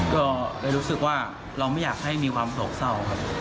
ก็เลยรู้สึกว่าเราไม่อยากให้มีความโศกเศร้าครับ